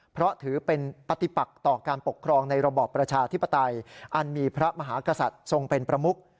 เพราะถือเป็นปฏิปักต่อการปกครองในระบอบประชาธิปไตยอันมีพระมหากษัตริย์ทรงเป็นประมุก